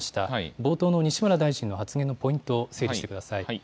冒頭の西村大臣の発言のポイントを整理してください。